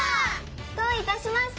どういたしまして！